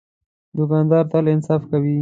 دوکاندار تل انصاف کوي.